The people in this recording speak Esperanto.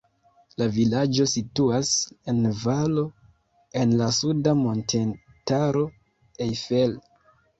La vilaĝo situas en valo en la suda montetaro Eifel.